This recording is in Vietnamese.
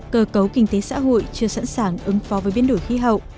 cơ cấu kinh tế xã hội chưa sẵn sàng ứng phó với biến đổi khí hậu